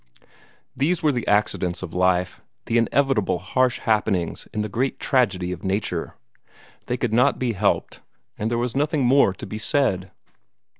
These were the accidents of life, the inevitable harsh happenings in the great tragedy of Nature. They could not be helped, and there was nothing more to be said.